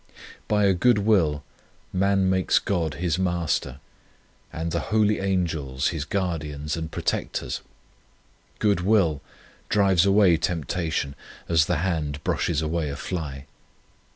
By a good will man makes God 71 On Union with God his Master, and the holy Angels his guardians and protectors. Good will drives away tempta tion as the hand brushes away a fly.